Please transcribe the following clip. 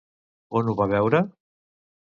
On ho va veure?